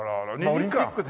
オリンピックですね。